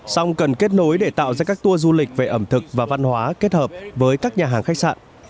song cần kết nối để tạo ra các tour du lịch về ẩm thực và văn hóa kết hợp với các nhà hàng khách sạn